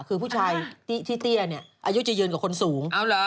คือผู้ชายที่เตี้ยอายุจะยืนกับคนสูง